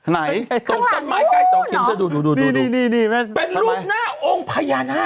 ไหนต้นไม้ใกล้เสาเข็มดูเป็นรูปหน้าองค์พญานาค